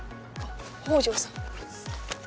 北條さん。